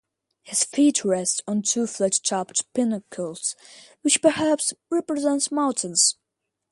His feet rest on two flat-topped pinnacles which perhaps represent mountains.